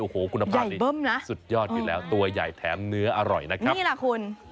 โอ้โหคุณภาพดีเบิ้มนะสุดยอดอยู่แล้วตัวใหญ่แถมเนื้ออร่อยนะครับนี่แหละคุณ